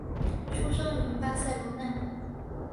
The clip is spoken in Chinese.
出生于巴塞罗那。